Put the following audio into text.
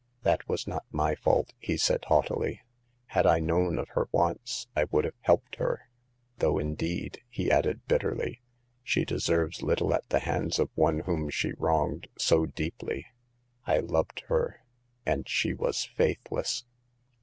" That was not my fault," he said, haughtily ;" had I known of her wants, I would have helped her ; though, in deed," he added, bitterly, she deserves little at the hands of one whom she wronged so deeply. I loved her, and she was faithless."